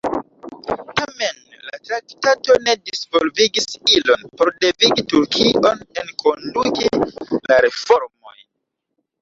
Tamen, la traktato ne disvolvigis ilon por devigi Turkion enkonduki la reformojn.